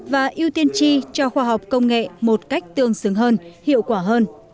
và ưu tiên chi cho khoa học công nghệ một cách tương xứng hơn hiệu quả hơn